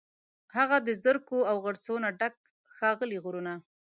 هغه د زرکو، او غرڅو، نه ډک، ښاغلي غرونه